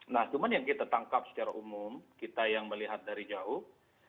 nah cuman yang kita tangkap secara umum kita yang melihat dari jauh